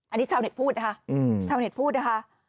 อันนี้ชาวเน็ตพูดนะคะ